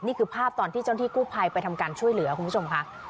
นี่คือภาพตอนที่เจ้าหน้าที่กู้ภัยไปทำการช่วยเหลือคุณผู้ชมค่ะ